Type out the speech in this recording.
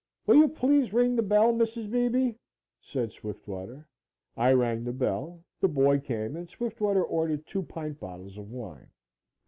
"Will you please ring the bell, Mrs. Beebe?" said Swiftwater. I rang the bell, the boy came and Swiftwater ordered two pint bottles of wine.